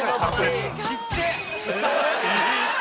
ちっちぇえ。